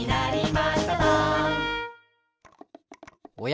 おや？